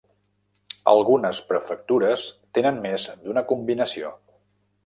Algunes prefectures tenen més d'una combinació.